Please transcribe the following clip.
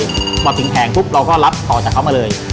เมื่อผ้ายถึงแผงที่เราเรรับต่อมาเลย